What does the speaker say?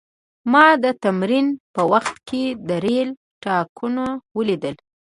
ما د تمرین په وخت کې د ریل ټانکونه ولیدل